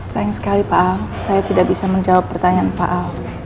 sayang sekali pak a saya tidak bisa menjawab pertanyaan pak a